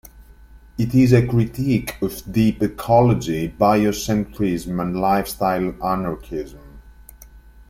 It is a critique of deep ecology, bio-centrism and lifestyle anarchism.